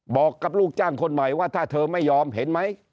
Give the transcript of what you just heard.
บอกกับลูกจ้างคนใหม่ว่าถ้าเธอไม่ยอมเห็นไหม